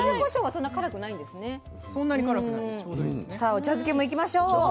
お茶漬けも行きましょう。